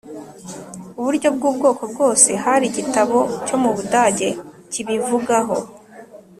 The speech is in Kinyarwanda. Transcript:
Uburyo bw ubwoko bwose Hari igitabo cyo mu Budage cy ibivugaho